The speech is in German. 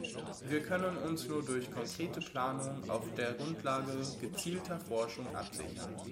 Wir können uns nur durch konkrete Planung auf der Grundlage gezielter Forschung absichern.